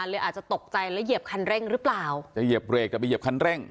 เลยอาจจะตกใจแล้วเหยียบคันเร่งหรือเปล่าจะเหยียบเรกจะไปเหยียบคันเร่ง